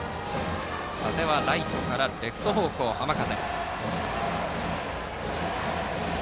風はライトからレフト方向の浜風。